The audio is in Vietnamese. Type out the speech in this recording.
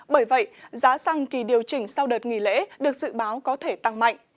bởi vậy giá xăng kỳ điều chỉnh sau đợt nghỉ lễ được dự báo có thể tăng mạnh